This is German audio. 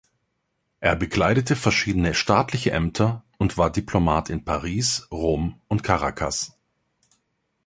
Er bekleidete verschiedene staatliche Ämter und war Diplomat in Paris, Rom und Caracas.